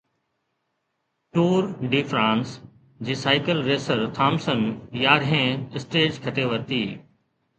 ٽور de France جي cycle racer Thomas يارهين stage کٽي ورتي